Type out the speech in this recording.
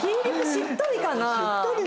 しっとりかな？